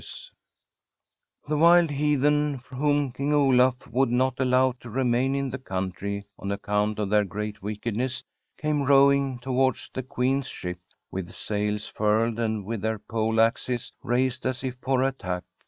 SIGRID STORRXDE The wild heathen, whom King Olaf would not allow to remain in the country on account of their great wickedness, came rowing towards the Queen's ship, with sails furled, and with their pole axes raised as if for attack.